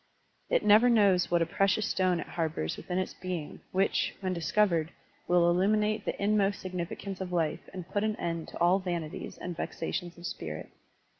It never knows what a precious stone it harbors within its being, which, when discov ered, will illuminate the inmost significance of life and put an end to all vanities and vexations of spirit.